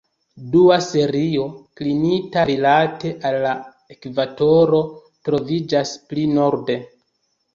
Dua serio, klinita rilate al la ekvatoro, troviĝas pli norde.